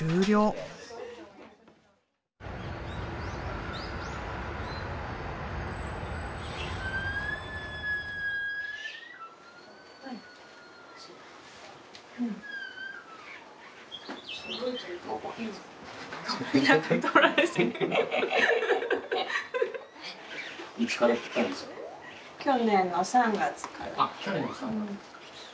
あっ去年の３月。